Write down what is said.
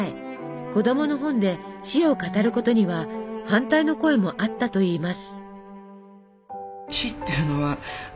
子供の本で死を語ることには反対の声もあったといいます。